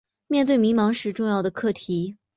面对迷惘时重要的课题